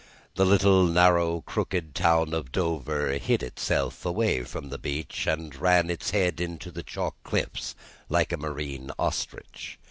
The little narrow, crooked town of Dover hid itself away from the beach, and ran its head into the chalk cliffs, like a marine ostrich.